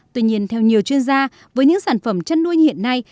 tuy nhiên theo nhiều chuyên gia với những sản phẩm chăn nuôi hiện nay